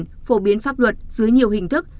phổ biến pháp luật dưới nhiều hình thức